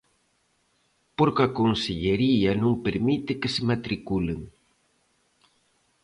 Porque a Consellería non permite que se matriculen.